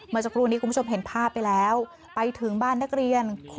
เมื่อสักครู่นี้คุณผู้ชมเห็นภาพไปแล้วไปถึงบ้านนักเรียน